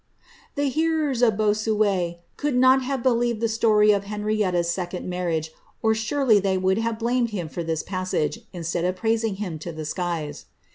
The hearers of Bossuet could not have believed the story of Hen rietta's second marriage, or surely they would have blamed hun for this passage, instead of praising him to the skies.